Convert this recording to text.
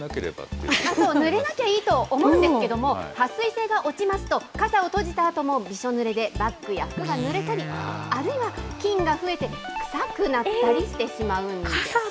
ぬれなきゃいいと思っているんですけれども、はっ水性が落ちますと、傘を閉じてもびしょぬれでバッグや服がぬれたり、あるいは菌が増えて臭くなったりしてしまうんです。